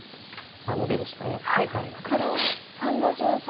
ノビでした。